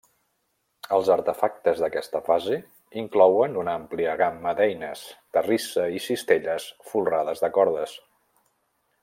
Els artefactes d'aquesta fase inclouen una àmplia gamma d'eines, terrissa i cistelles folrades de cordes.